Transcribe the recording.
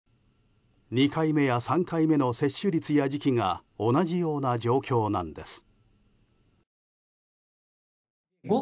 ２回目や３回目の接種率や時期が同じような状況なんです。